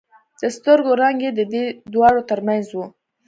د سترګو رنگ يې د دې دواړو تر منځ و.